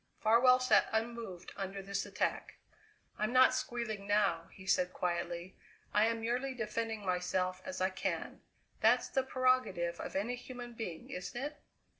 Farwell sat unmoved under this attack. "I'm not squealing now," he said quietly; "I am merely defending myself as I can. That's the prerogative of any human being, isn't it?